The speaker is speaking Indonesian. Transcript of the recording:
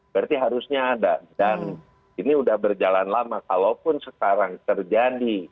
berarti harusnya ada dan ini sudah berjalan lama kalaupun sekarang terjadi